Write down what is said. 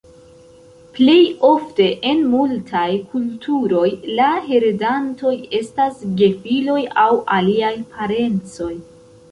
Plej ofte en multaj kulturoj la heredantoj estas gefiloj aŭ aliaj parencoj.